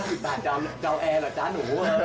ถ้า๕๐ตัวแอร์ล่ะจ๊ะหนู